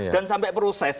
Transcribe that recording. dan sampai proses